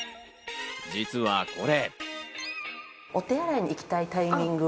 実はこれ。